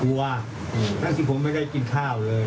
รู้ด้วยทำงานที่ผมไม่ได้กินข้าว